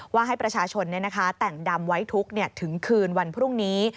ว่าให้ประชาชนแต่งดำไว้ทุกข์ถึงคืนวันพรุ่งนี้